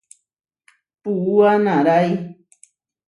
Puúa naʼrái.